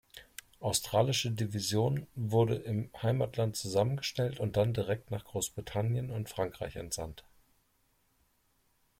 Australische Division wurde im Heimatland zusammengestellt und dann direkt nach Großbritannien und Frankreich entsandt.